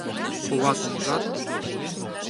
Коватым ужат?